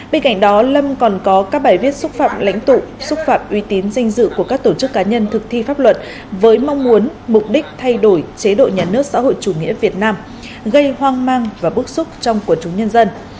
bên cạnh đó lâm còn có các bài viết xúc phạm lãnh tụ xúc phạm uy tín danh dự của các tổ chức cá nhân thực thi pháp luật với mong muốn mục đích thay đổi chế độ nhà nước xã hội chủ nghĩa việt nam gây hoang mang và bức xúc trong quần chúng nhân dân